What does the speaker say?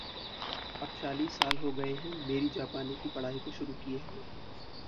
अब चालीस साल हो गए हैं मेरी जापानी की पढ़ाई को शुरू किए हुए।